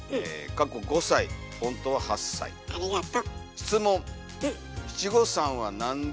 ありがと。